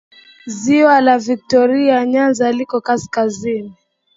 Ziwa la Viktoria Nyanza liko kaskazini